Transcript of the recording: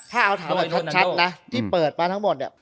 ถ้าเอาถามแบบชัดนะที่เปิดมาทั้งหมดเนี่ย